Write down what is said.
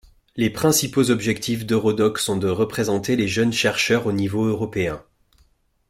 Les principaux objectifs d'Eurodoc sont de représenter les jeunes chercheurs au niveau européen.